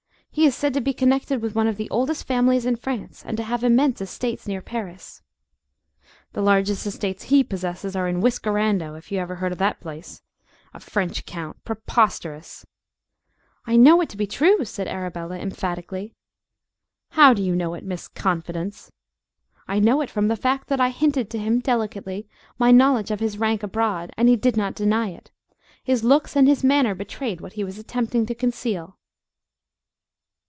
He is said to be connected with one of the oldest families in France, and to have immense estates near Paris." "The largest estates he possesses are in Whiskerando, if you ever heard of that place. A French count! Preposterous!" "I know it to be true," said Arabella, emphatically. "How do you know it, Miss Confidence?" "I know it from the fact that I hinted to him, delicately, my knowledge of his rank abroad, and he did not deny it. His looks and his manner betrayed what he was attempting to conceal."